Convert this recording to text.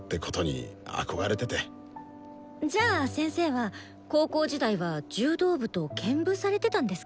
じゃあ先生は高校時代は柔道部と兼部されてたんですか？